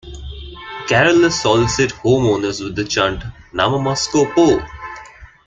Carollers solicit homeowners with the chant Namamasko po!